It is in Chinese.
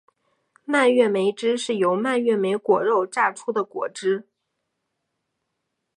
蔓越莓汁是由蔓越莓果肉榨出的果汁。